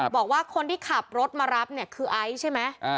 บอกว่าคนที่ขับรถมารับเนี่ยคือไอซ์ใช่ไหม